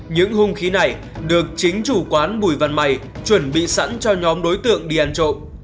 những hung khí này được chính chủ quán bùi văn may chuẩn bị sẵn cho nhóm đối tượng đi ăn trộm